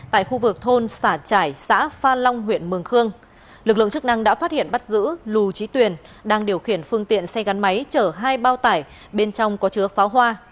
tại khu vực thôn xả trải xã pha long huyện mường khương lực lượng chức năng đã phát hiện bắt giữ lù trí tuyền đang điều khiển phương tiện xe gắn máy chở hai bao tải bên trong có chứa pháo hoa